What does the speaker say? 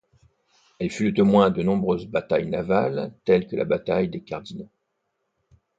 Elle fut le témoin de nombreuses batailles navales telle que la bataille des Cardinaux.